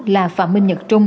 là phạm minh nhật trung